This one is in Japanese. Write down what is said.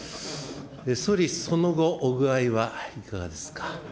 総理、その後、お具合はいかがですか。